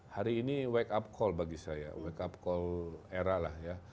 hari ini wake up call bagi saya wake up call era lah ya